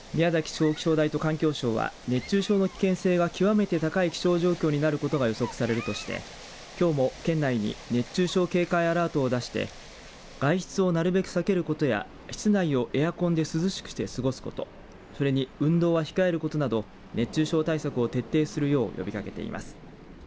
地方気象台と環境省は熱中症の危険性が極めて高い気象条件になることが予測されるとしてきょうも県内に熱中症警戒アラートを出して外出をなるべく避けることや室内をエアコンで涼しくして過ごすことそれに運動は控えることなど熱中症対策を徹底するよう呼びかけています。